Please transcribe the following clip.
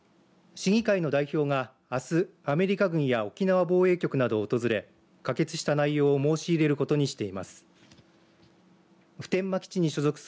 市議会の代表が、あすアメリカ軍や沖縄防衛局などを訪れ可決した内容を申し入れることにしています。